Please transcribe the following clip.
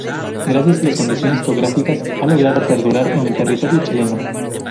Gracias a las condiciones geográfica ha logrado perdurar en el territorio Chileno.